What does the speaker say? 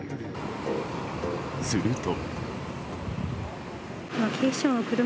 すると。